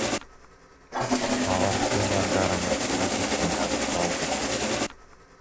Алар туугандарыныкына кеткени аныкталды.